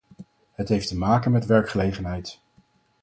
Het heeft te maken met werkgelegenheid.